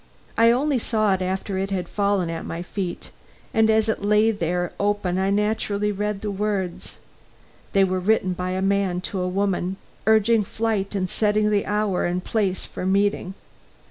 I only saw it after it had fallen at my feet, and as it lay there open I naturally read the words. They were written by a man to a woman, urging flight and setting the hour and place for meeting.